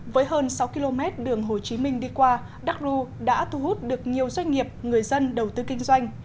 với hơn sáu km đường hồ chí minh đi qua đắk rô đã thu hút được nhiều doanh nghiệp người dân đầu tư kinh doanh